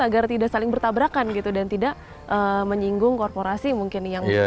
agar tidak saling bertabrakan gitu dan tidak menyinggung korporasi mungkin yang